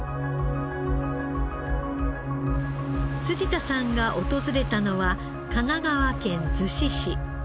辻田さんが訪れたのは神奈川県子市。